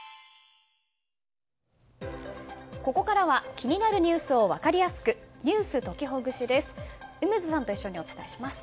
ここからは気になるニュースを分かりやすくｎｅｗｓときほぐしです。